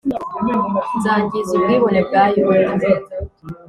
nzangiza ubwibone bwa Yuda